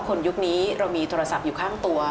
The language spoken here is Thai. ยุคนี้เรามีโทรศัพท์อยู่ข้างตัว